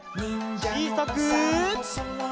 ちいさく。